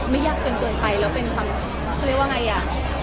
ยากจนเกินไปแล้วเป็นความเขาเรียกว่าไงอ่ะ